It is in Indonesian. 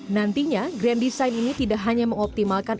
nantinya grand design ini tidak hanya mengoptimalkan